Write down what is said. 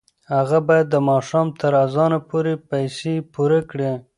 هغه باید د ماښام تر اذانه پورې پیسې پوره کړي.